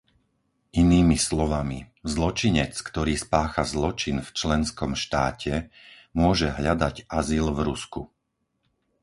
Inými slovami, zločinec, ktorý spácha zločin v členskom štáte, môže hľadať azyl v Rusku.